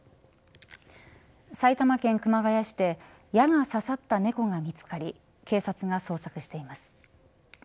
埼玉県熊谷市で矢が刺さった猫が見つかり警察が捜索しています。